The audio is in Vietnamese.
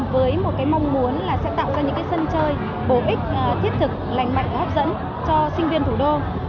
với một cái mong muốn là sẽ tạo ra những sân chơi bổ ích thiết thực lành mạnh hấp dẫn cho sinh viên thủ đô